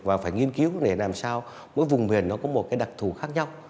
và phải nghiên cứu để làm sao mỗi vùng miền nó có một cái đặc thù khác nhau